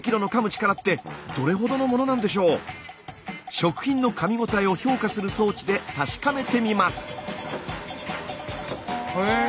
食品のかみごたえを評価する装置で確かめてみます。